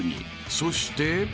［そして］